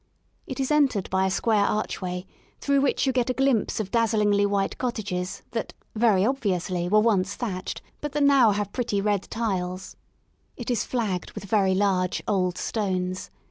It is entered by a square archway through which you get a glimpse of dazzlingly white cottages that, very obviously, were once thatched, but that now have pretty red tiles. It is xiii INTRODUCTORY flagged with very large, old stones.